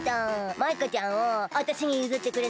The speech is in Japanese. マイカちゃんをあたしにゆずってくれない？